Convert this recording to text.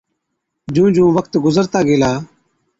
جُون جُون وقت گُذرتا گيلا،